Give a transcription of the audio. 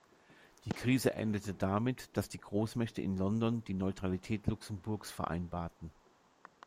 Die Krise endete damit, dass die Großmächte in London die Neutralität Luxemburgs vereinbarten.